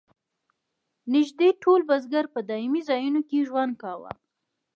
نږدې ټول بزګر په دایمي ځایونو کې ژوند کاوه.